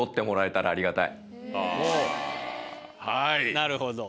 なるほど。